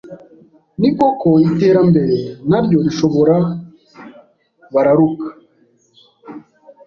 Ni koko iterambere naryo rishobora bararuka